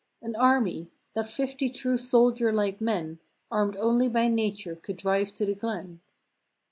An army! That fifty true soldier like men Armed only by nature could drive to the glen.